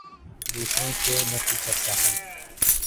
دوسروں کے نفی کرتا ہوں